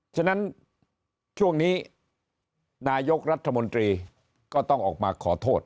ฉะนั้นช่วงนี้นายกรัฐมนตรีก็ต้องออกมาขอโทษ